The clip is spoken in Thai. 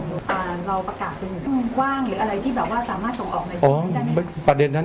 เราประกาศขึ้นหรืออะไรหรืออะไรที่แบบว่าสามารถส่งออกมา